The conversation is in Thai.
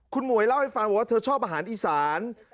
คุณหมวยเล่าให้ฟังบอกว่าเธอชอบอาหารอีสาน